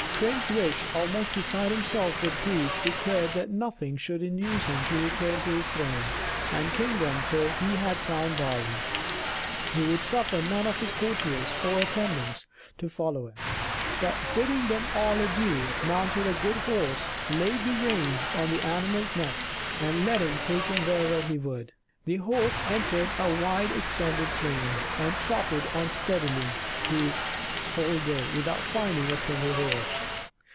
Prince Wish, almost beside himself with grief, declared that nothing should induce him to return to his throne and kingdom till he had found Darling. He would suffer none of his courtiers or attendants to follow him; but, bidding them all adieu, mounted a good horse, laid the reins on the animal's neck, and let him take him wherever he would. The horse entered a wide extended plain, and trotted on steadily the whole day without finding a single house.